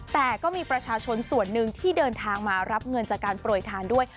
แต่ก็มีประชาชนส่วนหนึ่งที่เดินทางมารับเงินจากการโปรยทานด้วย